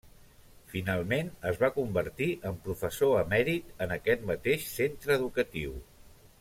Finalment, es va convertir en professor emèrit en aquest mateix centre educatiu.